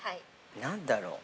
何だろう。